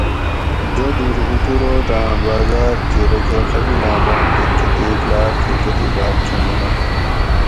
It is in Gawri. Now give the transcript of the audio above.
ددور اُتروٹاۤں بازار تھی رکہ قبیلاں بام کہ کتیک لاۤر تھو تتھیں باۤک کہ مناں